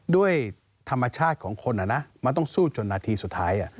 ด้วยธรรมชาติของคนมันต้องสู้จนนาทีสุดท้าย